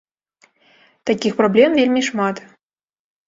Такіх праблем вельмі шмат.